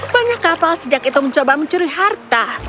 banyak kapal sejak itu mencoba mencuri harta